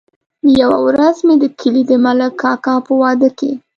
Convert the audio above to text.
يوه ورځ مې د کلي د ملک کاکا په واده کې.